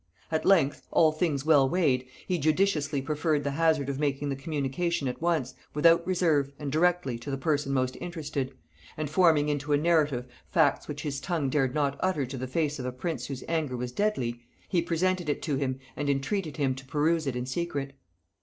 At length, all things well weighed, he judiciously preferred the hazard of making the communication at once, without reserve, and directly, to the person most interested; and, forming into a narrative facts which his tongue dared not utter to the face of a prince whose anger was deadly, he presented it to him and entreated him to peruse it in secret.